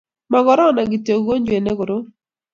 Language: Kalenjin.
ma korona kityo ukojwet ne korom